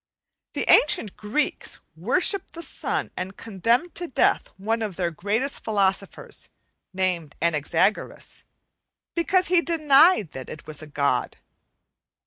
The ancient Greeks worshipped the sun, and condemned to death one of their greatest philosophers, named Anaxagoras, because he denied that it was a god.